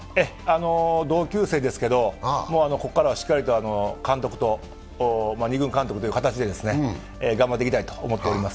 同級生ですけど、ここからしっかりと監督と２軍監督という形で頑張っていきたいと思っております。